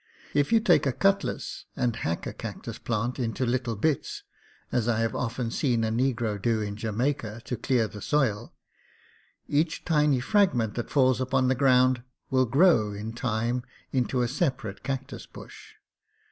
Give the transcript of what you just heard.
If you take a cutlass and hack a cactus plant into little bits (as I have often seen a negro do in Jamaica to clear the soil)', each tiny fragment that falls upon the ground will grow in time into a separate cactus bush.